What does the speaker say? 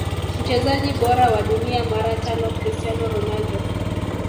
Mchezaji bora wa dunia mara tano Cristiano Ronaldo